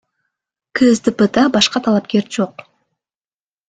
КСДПда башка талапкер жок.